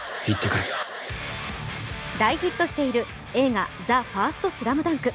大ヒットしている映画「ＴＨＥＦＩＲＳＴＳＬＡＭＤＵＮＫ」。